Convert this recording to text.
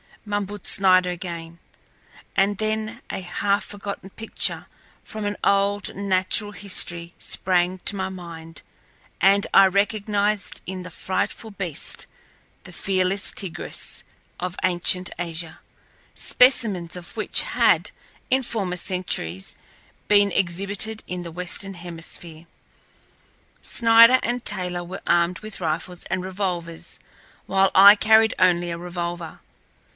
mumbled Snider again, and then a half forgotten picture from an old natural history sprang to my mind, and I recognized in the frightful beast the Felis tigris of ancient Asia, specimens of which had, in former centuries, been exhibited in the Western Hemisphere. Snider and Taylor were armed with rifles and revolvers, while I carried only a revolver.